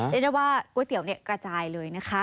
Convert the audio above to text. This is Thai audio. ได้ได้ว่าก๋วยเตี๋เนี่ยกระจายเลยนะคะ